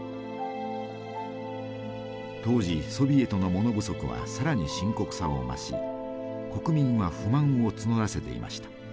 当時ソビエトの物不足は更に深刻さを増し国民は不満を募らせていました。